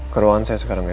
ke ruangan saya sekarang ya